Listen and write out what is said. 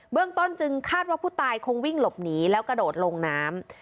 เรื่องต้นจึงคาดว่าผู้ตายคงวิ่งหลบหนีแล้วกระโดดลงน้ำ